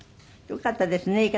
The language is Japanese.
よかったですね